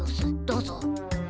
どうぞ。